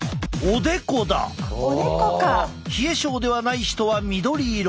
冷え症ではない人は緑色。